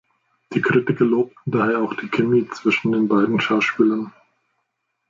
Die Kritiker lobten daher auch die Chemie zwischen den beiden Schauspielern.